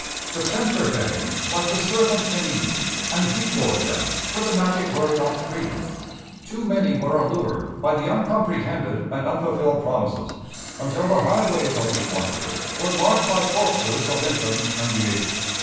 The tempter came, like the serpent in Eden, and decoyed them with the magic word of "freedom." Too many were allured by the uncomprehended and unfulfilled promises, until the highways of these wanderers were marked by corpses of infants and the aged.